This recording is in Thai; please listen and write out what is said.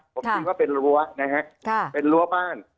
ผมคิดว่าเป็นรั้วนะฮะเป็นรั้วบ้าน